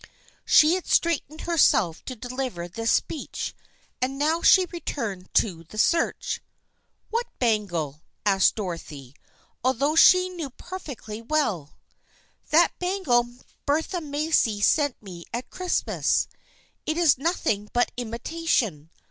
She had straightened herself to deliver this speech and now she returned to the search. " What bangle ?" asked Dorothy, although she knew perfectly well. " That bangle Bertha Macy sent me at Christ mas. It is nothing but imitation.